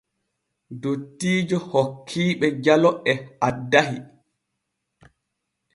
Dottiijo hokkiiɓe jalo e addahi.